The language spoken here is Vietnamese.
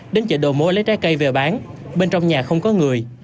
đến chợ đồ mối lấy trái cây về bán bên trong nhà không có người